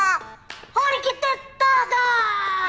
張り切ってどうぞ！